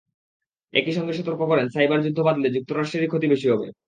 একই সঙ্গে সতর্ক করেন, সাইবার যুদ্ধ বাধলে যুক্তরাষ্ট্রেরই ক্ষতি বেশি হবে।